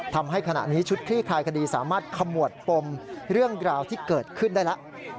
ทำให้ขณะนี้ชุดคลี่คลายคดีสามารถขมวดปมเรื่องราวที่เกิดขึ้นได้แล้ว